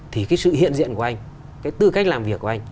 thì cái sự hiện diện của anh cái tư cách làm việc của anh